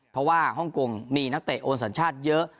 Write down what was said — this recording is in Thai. เพราะว่าฮ่องกงมีนักเตะโอนสัญชาติเยอะ